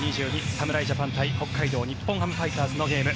侍ジャパン対北海道日本ハムファイターズのゲーム。